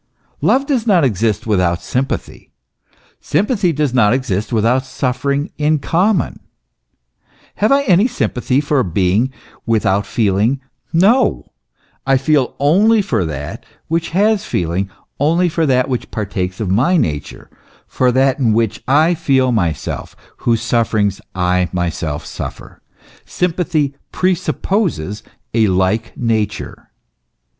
Love does not exist without sympathy, sympathy does not exist without suffering in common. Have I any sympathy for a being without feeling ? No ! I feel only for that which has feeling only for that which partakes of my nature, for that in which I feel myself, whose sufferings I myself suffer. Sympathy presupposes a like nature.